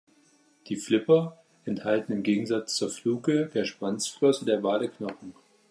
Die Flipper enthalten im Gegensatz zur Fluke, der Schwanzflosse der Wale, Knochen.